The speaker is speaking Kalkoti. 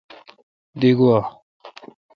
دی گوا۔